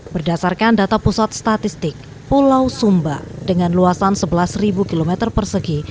berdasarkan data pusat statistik pulau sumba dengan luasan sebelas km persegi